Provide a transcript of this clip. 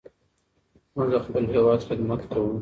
موږ د خپل هېواد خدمت کوو.